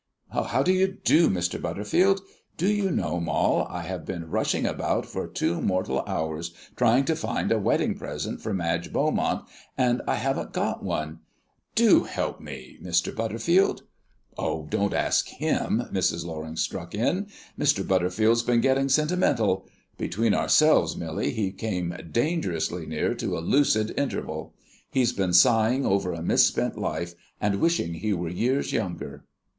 How do you do, Mr. Butterfield? Do you know, Moll, I have been rushing about for two mortal hours trying to find a wedding present for Madge Beaumont, and I haven't got one! Do help me Mr. Butterfield " "Oh, don't ask him," Mrs. Loring struck in; "Mr. Butterfield's been getting sentimental. Between ourselves, Millie, he came dangerously near to a lucid interval. He's been sighing over a misspent life, and wishing he were years younger."